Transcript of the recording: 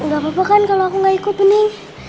gak apa apa kan kalau aku gak ikut bening